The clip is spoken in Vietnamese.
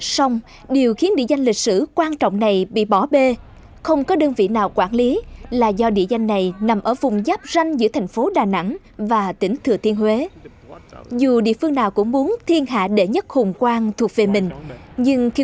xong điều khiến địa danh lịch sử quan trọng này bị bỏ bê không có đơn vị nào quản lý là do địa danh này nằm ở vùng giáp ranh giữa thành phố đà nẵng và tỉnh đà nẵng